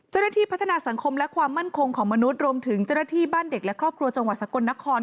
เจ้าหน้าที่พัฒนาสังคมและความมั่นคงของมนุษย์รวมถึงเจ้าหน้าที่บ้านเด็กและครอบครัวจังหวัดสกลนคร